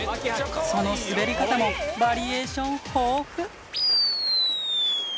その滑り方も、バリエーション豊富。